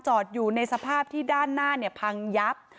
อยู่ในสภาพที่ด้านหน้าเนี่ยพังยับ